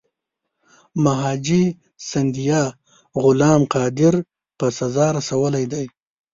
مهاجي سیندیا غلام قادر په سزا رسولی دی.